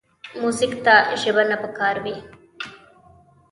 موزیک ته ژبه نه پکار وي.